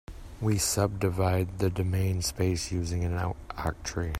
We subdivide the domain space using an octree.